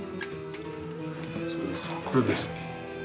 これです。